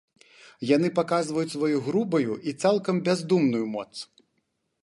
Яны паказваюць сваю грубую і цалкам бяздумную моц.